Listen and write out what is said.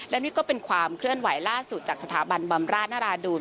และนี่ก็เป็นความเคลื่อนไหวล่าสุดจากสถาบันบำราชนราดูล